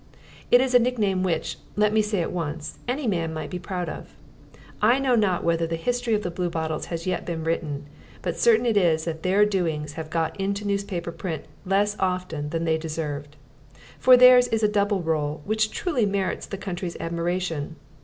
It is a nickname which, let me say at once, any man might be proud of. I know not whether the history of the Bluebottles has yet been written, but certain it is that their doings have got into newspaper print less often than they deserved. For theirs is a double rôle which truly merits the country's admiration.